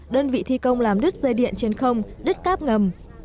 đơn vị thi công làm đứt dây điện trên không đứt cáp ngầm